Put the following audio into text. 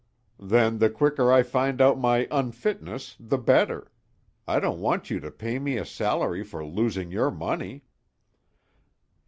"Then the quicker I find out my unfitness the better. I don't want you to pay me a salary for losing your money."